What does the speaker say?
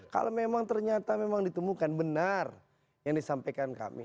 kalau memang ternyata memang ditemukan benar yang disampaikan kami